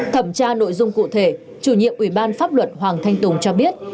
thẩm tra nội dung cụ thể chủ nhiệm ủy ban pháp luật hoàng thanh tùng cho biết